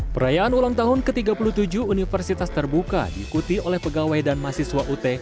perayaan ulang tahun ke tiga puluh tujuh universitas terbuka diikuti oleh pegawai dan mahasiswa ut